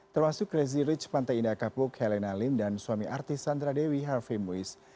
termasuk crazy rich pantai indah kapuk helena lim dan suami artis sandra dewi harvey moise